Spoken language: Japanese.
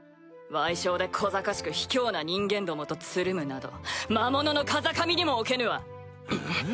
矮小で小ざかしく卑怯な人間どもとつるむなど魔物の風上にも置けぬわ！